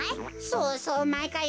そうそうまいかい